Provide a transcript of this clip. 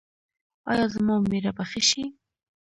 ایا زما میړه به ښه شي؟